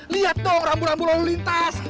lihat dong rambu rambu lalu lintas